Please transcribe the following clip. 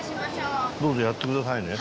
どうぞやってくださいね。